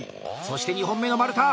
そして２本目の丸太！